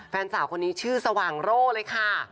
แฟนสาวคนนี้ชื่อสว่างโร่เลยค่ะ